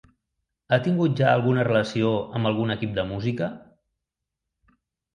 Ha tingut ja alguna relació amb algun equip de música?